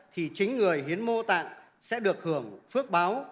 thì chính người hiến mô tạng sẽ được hưởng phước báo